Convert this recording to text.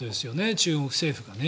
中国政府がね。